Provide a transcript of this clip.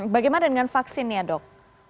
bagaimana dengan vaksinnya dok